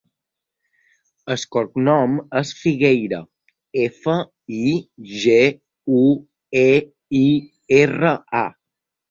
El cognom és Figueira: efa, i, ge, u, e, i, erra, a.